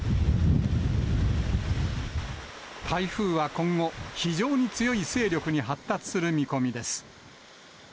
台風は今後、非常に強い勢力に発達する見込みです。